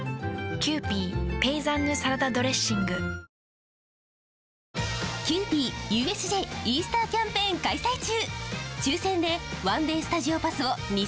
三井不動産キユーピーＵＳＪイースターキャンペーン開催中！